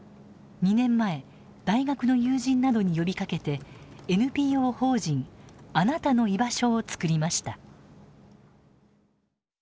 ２年前大学の友人などに呼びかけてＮＰＯ法人あなたのいばしょをつくりました。